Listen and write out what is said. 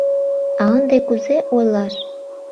А ынде кузе ойлаш?